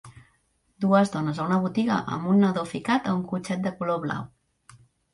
Dues dones a una botiga amb un nadó ficat a un cotxet de color blau.